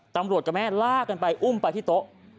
กับแม่ลากกันไปอุ้มไปที่โต๊ะ